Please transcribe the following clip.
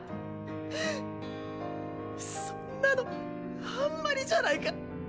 うぅそんなのあんまりじゃないか。